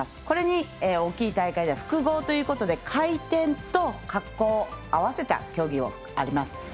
これに、大きい大会では複合ということで回転と滑降合わせた競技があります。